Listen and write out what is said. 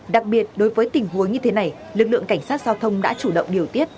đặc biệt đối với tình huống như thế này lực lượng cảnh sát giao thông đã chủ động điều tiết